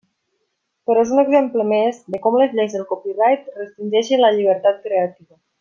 Però és un exemple més de com les lleis del copyright restringeixen la llibertat creativa.